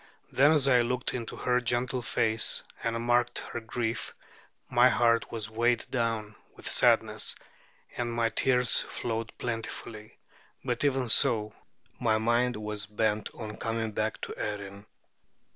Then as I looked into her gentle face and marked her grief, my heart was weighed down with sadness, and my tears flowed plentifully; but even so, my mind was bent on coming back to Erin.